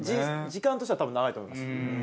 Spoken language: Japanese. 時間としては多分長いと思います。